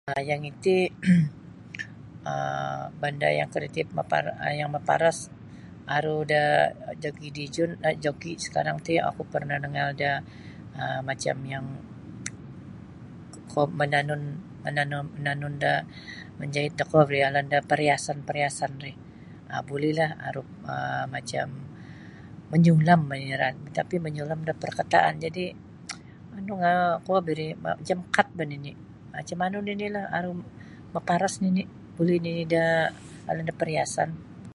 Yang iti um banda yang kreatif maparas yang maparas aru da joki dijun um joki sakarang ti oku parnah nangaal da um macam yang kuo mananun mananun mananun da manjahit da kuo biri alan da pariasan-pariasan ri um bulilah macam manyulam bah nini tapi manyulam da parkataan jadi nunu nga kuo biri macam kat bah nini macam manu nini lah maparas bah nini buli nini da alun da pariasan.